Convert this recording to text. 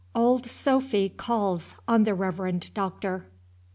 OLD SOPHY CALLS ON THE REVEREND DOCTOR.